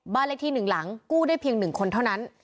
เลขที่๑หลังกู้ได้เพียง๑คนเท่านั้น